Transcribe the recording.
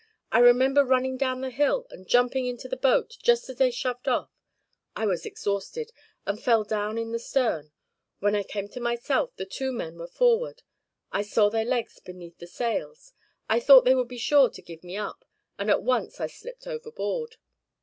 I remember running down the hill, and jumping into the boat just as they shoved off. I was exhausted, and fell down in the stern. When I came to myself, the two men were forward: I saw their legs beneath the sails. I thought they would be sure to give me up, and at once I slipped overboard.